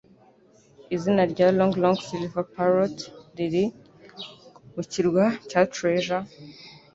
Izina rya Long Long Silvers Parrot riri mu Kirwa cya Treasure?